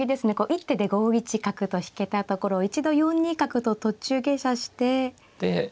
一手で５一角と引けたところを一度４ニ角と途中下車して。